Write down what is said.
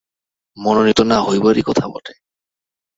মনোনীত না হইবারই কথা বটে।